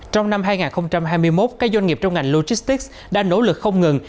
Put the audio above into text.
trong năm hai nghìn hai mươi một các doanh nghiệp trong ngành logistics đã nỗ lực không ngừng